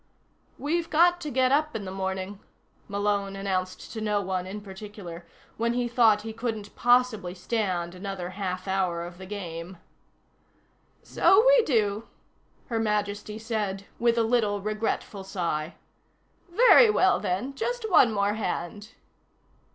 "We've got to get up in the morning," Malone announced to no one in particular, when he thought he couldn't possibly stand another half hour of the game. "So we do," Her Majesty said with a little regretful sigh. "Very well, then. Just one more hand."